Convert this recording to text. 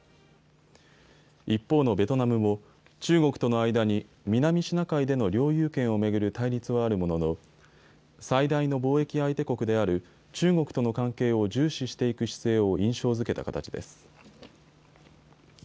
一方のベトナムも中国との間に南シナ海での領有権を巡る対立はあるものの最大の貿易相手国である中国との関係を重視していく姿勢を印象づけた形です。